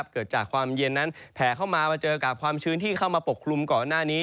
เกิดจากความเย็นนั้นแผ่เข้ามามาเจอกับความชื้นที่เข้ามาปกคลุมก่อนหน้านี้